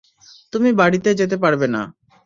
তুমি বাড়িতে যেতে পারবে না।